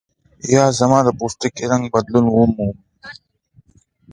یا زما د پوستکي رنګ بدلون ومومي.